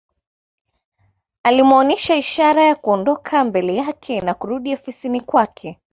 Alimuonesha ishara ya Kuondoka mbele yake na kurudi ofisini kwake